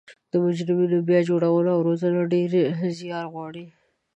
د مجرمینو بیا جوړونه او روزنه ډیر ځیار غواړي